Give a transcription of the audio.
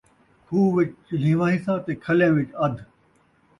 کھوہ وِچ چلھین٘واں حصہ تے کھلیاں وِچ ادھ